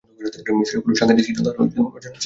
মিশরের কোন সাংকেতিক চিহ্ন তার অজানা ছিল না।